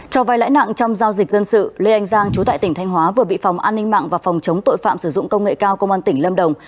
cho vai lãi nặng trong giao dịch dân sự lê anh giang chú tại tỉnh thanh hóa vừa bị phòng an ninh mạng và phòng chống tội phạm sử dụng công nghệ cao công an tỉnh lâm đồng